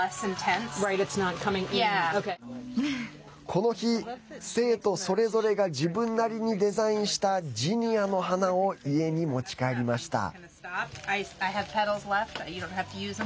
この日、生徒それぞれが自分なりにデザインしたジニアの花を家に持ち帰りました。